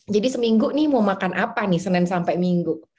jadi seminggu nih mau makan apa nih senin sampai minggu